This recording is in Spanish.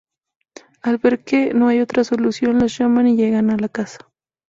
Al ver que no hay otra solución los llaman y llegan a la casa.